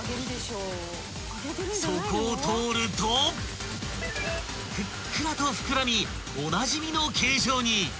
［そこを通るとふっくらと膨らみおなじみの形状に］